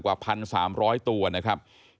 กว่า๑๓๐๐ตัวนะครับ